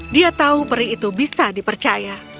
dia tahu peri itu bisa dipercaya